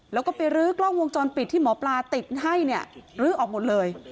แล้วก็ไปรื้อกล้องวงจรปิดที่หมอปลาติดให้เนี่ยลื้อออกหมดเลย